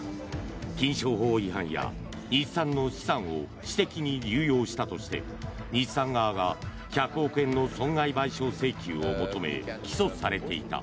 金商法違反や日産の資産を私的に流用したとして日産側が１００億円の損害賠償請求を求め起訴されていた。